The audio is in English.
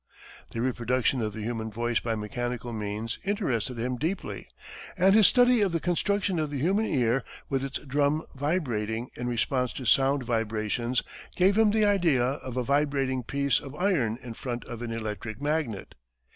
The reproduction of the human voice by mechanical means interested him deeply, and his study of the construction of the human ear, with its drum vibrating in response to sound vibrations, gave him the idea of a vibrating piece of iron in front of an electric magnet.